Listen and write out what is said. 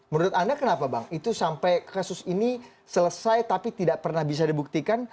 menurut anda kenapa bang itu sampai kasus ini selesai tapi tidak pernah bisa dibuktikan